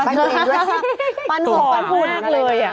ปั้นตัวเองด้วยปั้นหอมมากเลยอ่ะ